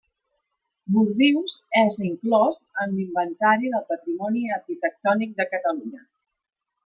Bordius és inclòs en l'Inventari del Patrimoni Arquitectònic de Catalunya.